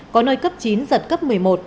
có nơi cấp chín giật cấp một mươi một